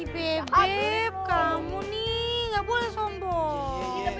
aib kamu nih gak boleh sombong